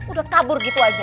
udah kabur gitu aja